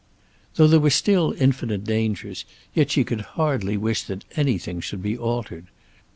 Though there were still infinite dangers, yet she could hardly wish that anything should be altered.